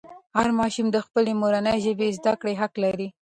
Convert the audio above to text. هر ماشوم د خپلې مورنۍ ژبې زده کړه حق لري.